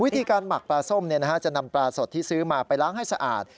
วิธีการหมักปลาส้มจะนำปลาสดที่ซื้อมาไปล้างให้สะอาด